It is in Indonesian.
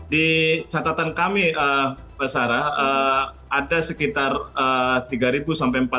di catatan kami mbak sarah ada sekitar tiga ribu sampai empat ribu orang